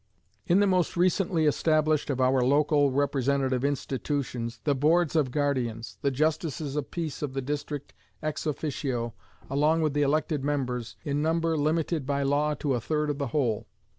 In the most recently established of our local representative institutions, the Boards of Guardians, the justices of peace of the district sit ex officio along with the elected members, in number limited by law to a third of the whole.